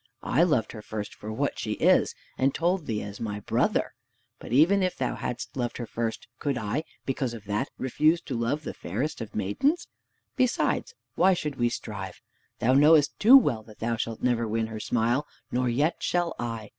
I loved her first for what she is, and told thee as my brother! But even if thou hadst loved her first, could I, because of that, refuse to love the fairest of maidens? Besides, why should we strive? Thou knowest too well that thou shalt never win her smile, nor yet shall I!